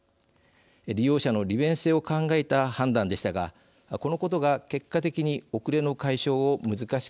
利用者の利便性を考えた判断でしたがこのことが結果的に遅れの解消を難しくしました。